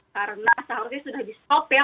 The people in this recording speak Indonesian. karena seharusnya sudah di stop ya